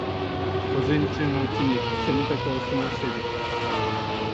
午前中のうちに洗濯を済ませる